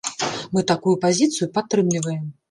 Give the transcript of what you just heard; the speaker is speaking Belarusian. Мы такую пазіцыю падтрымліваем.